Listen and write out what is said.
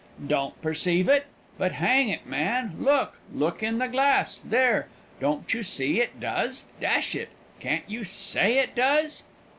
"Don't perceive it? But, hang it, man, look look in the glass! There! don't you see it does? Dash it! can't you say it does?"